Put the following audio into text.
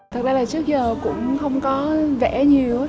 thật ra là trước giờ cũng không có vẽ nhiều